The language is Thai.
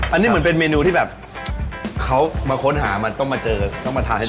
อันนี้เหมือนเป็นเมนูที่แบบเขามาค้นหามันต้องมาเจอต้องมาทานให้ด้วย